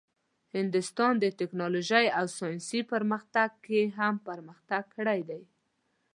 هندوستان د ټیکنالوژۍ او ساینسي پرمختګ کې هم پرمختګ کړی دی.